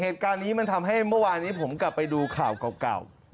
เหตุการณ์นี้มันทำให้เมื่อวานนี้ผมกลับไปดูข่าวเก่า